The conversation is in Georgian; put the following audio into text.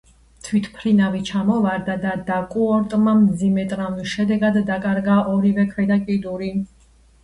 თვითმფრინავი ჩამოვარდა და დაკუორტმა მძიმე ტრამვის შედეგად დაკარგა ორივე ქვედა კიდური.